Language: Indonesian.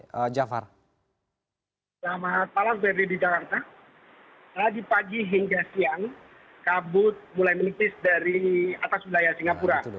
selama talam beri di jakarta lagi pagi hingga siang kabut mulai menipis dari atas wilayah singapura